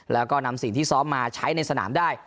แล้วก็นำสิ่งที่ซ้อมมาใช้ในสนามได้